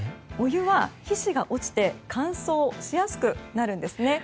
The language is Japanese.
お湯は皮脂が落ちて乾燥しやすくなるんです。